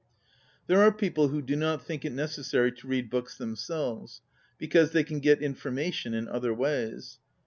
There are people who do not think it necessary to read books themselves, because they can get infonnation in other ways.